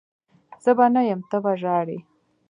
زه به نه یم ته به ژاړي